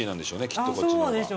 きっとこっちの方が。